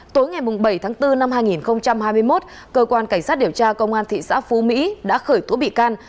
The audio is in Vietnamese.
tối ngày bảy tháng bốn năm hai nghìn hai mươi một cơ quan cảnh sát điều tra công an thị xã phú mỹ đã khởi tố bị can